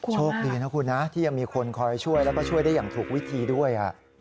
โชคดีนะคุณนะที่ยังมีคนคอยช่วยแล้วก็ช่วยได้อย่างถูกวิธีด้วย